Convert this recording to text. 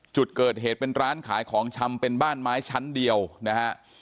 จุดเกิดเหตุเป็นร้านขายของชำเป็นบ้านไม้ชั้นเดียวนะฮะ